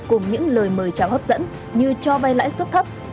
cùng những lời mời chào hấp dẫn như cho vai lãi xuất